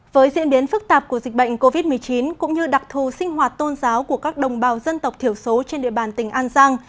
với diễn biến phức tạp của dịch bệnh covid một mươi chín cũng như đặc thù sinh hoạt tôn giáo của các đồng bào dân tộc thiểu số trên địa bàn tỉnh an giang